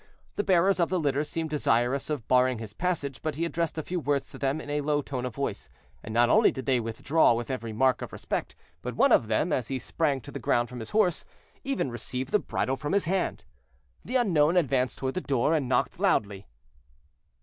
The bearers of the litter seemed desirous of barring his passage, but he addressed a few words to them in a low tone of voice, and not only did they withdraw with every mark of respect, but one of them, as he sprang to the ground from his horse, even received the bridle from his hand. The unknown advanced toward the door and knocked loudly.